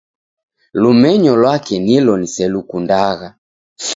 Lumenyo lwake nilo niselukundagha